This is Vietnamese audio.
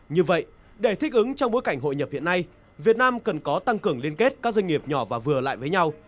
như vậy để thích ứng trong bối cảnh hội nhập hiện nay việt nam cần có tăng cường liên kết các doanh nghiệp nhỏ và vừa lại với nhau